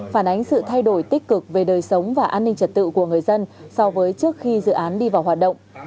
phản ánh sự thay đổi tích cực về đời sống và an ninh trật tự của người dân so với trước khi dự án đi vào hoạt động